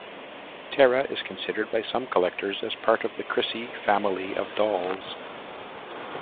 Tara is considered by some collectors as part of the Crissy "family" of dolls.